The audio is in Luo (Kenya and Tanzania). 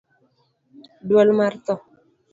duol mar tho